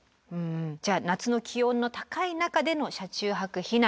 じゃあ夏の気温の高い中での車中泊避難